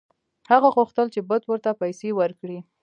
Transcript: هغه غوښتل چې بت ورته پیسې ورکړي.